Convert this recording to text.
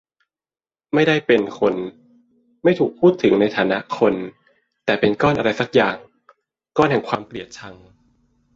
ไม่ได้เป็น-คน ไม่ถูกพูดถึงในฐานะ -คน แต่เป็นก้อนอะไรสักอย่าง ก้อนแห่งความเกลียดชัง